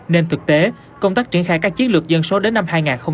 nên thực tế công tác triển khai các chiến lược dân số đến năm hai nghìn ba mươi